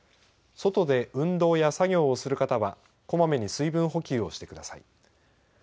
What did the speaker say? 外で運動や作業をする方は小まめに水分補給をしてください。